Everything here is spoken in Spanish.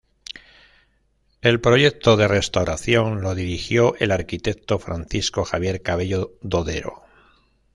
El proyecto de restauración lo dirigió el arquitecto Francisco Javier Cabello Dodero.